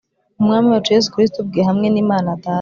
Umwami wacu Yesu Kristo ubwe hamwe n’Imana Data